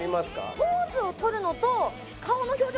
ポーズを取るのと顔の表情